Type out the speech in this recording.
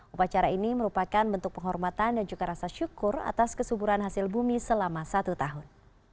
upacara ini merupakan bentuk penghormatan dan juga rasa syukur atas kesuburan hasil bumi selama satu tahun